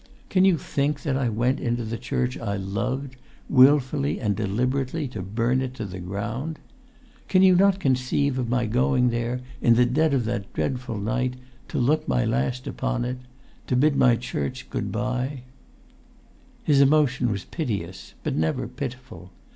Can you think that I went into the church I loved, wilfully and deliberately to burn it to the ground? Can you not conceive my going there, in the dead of that dreadful night, to look my last upon it—to bid my church good bye?" His emotion was piteous, but never pitiful.